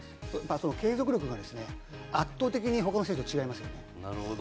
継続力が圧倒的に他の選手と違います。